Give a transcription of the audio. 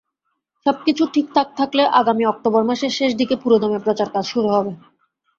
সবকিছু ঠিকঠাক থাকলে আগামী অক্টোবর মাসের শেষ দিকে পুরোদমে প্রচারকাজ শুরু হবে।